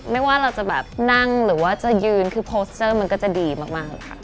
ไม่ว่าเราจะแบบนั่งหรือว่าจะยืนคือโพสต์เซอร์มันก็จะดีมาก